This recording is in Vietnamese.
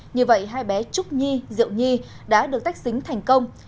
như vậy hai bé trúc nhi diệu nhi đã được tách dính thành công